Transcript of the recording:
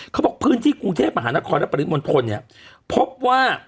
พื้นที่กรุงเทพมหานครและปริมณฑลเนี่ยพบว่า